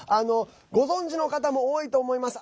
ご存じの方も多いと思います。